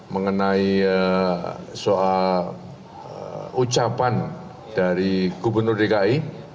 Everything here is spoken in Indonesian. mengenai soal ucapan dari gubernur dki